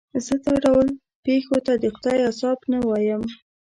زه دا ډول پېښو ته د خدای عذاب نه وایم.